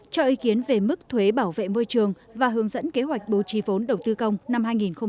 cho ý kiến về mức thuế bảo vệ môi trường và hướng dẫn kế hoạch bố trí vốn đầu tư công năm hai nghìn hai mươi